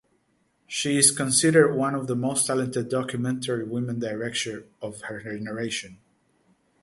She is considered one of the most talented documentary-women-director of her generation.